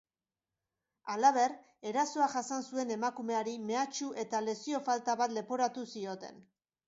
Halaber, erasoa jasan zuen emakumeari mehatxu eta lesio falta bat leporatu zioten.